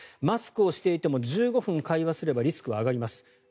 マスクをしていても１５分会話すればリスクは上がります。